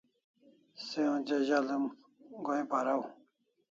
Se onja zali'm go'in paraw